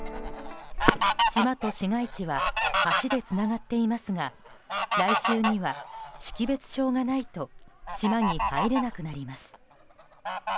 島と市街地は橋でつながっていますが来週には識別証がないと島に入れなくなります。